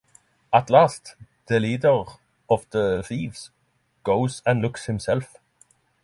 At last, the leader of the thieves goes and looks himself.